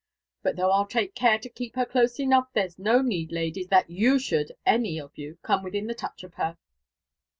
— But though I'll take care to keep her cloae enough, there's no need, ladies, that yen should any of you come within the touch of her.